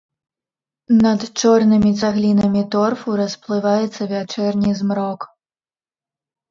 Над чорнымі цаглінамі торфу расплываецца вячэрні змрок.